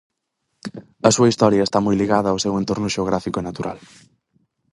A súa historia está moi ligada ao seu entorno xeográfico e natural.